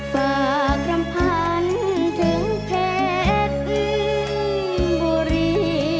กรำพันถึงเพชรบุรี